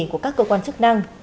của các cơ quan chức năng